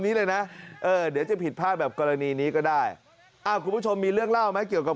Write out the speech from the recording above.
เออลงไปแล้วลงนานแล้ว